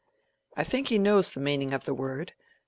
"I think he knows the meaning of the word.